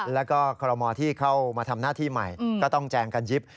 แล้วก็คอรมอที่เข้ามาทำหน้าที่ใหม่ก็ต้องแจงกันยิบ